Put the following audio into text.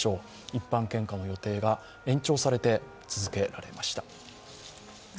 一般献花の予定が延長されて、続けられました。